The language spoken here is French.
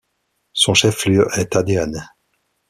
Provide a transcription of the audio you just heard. Son chef-lieu est Adéane.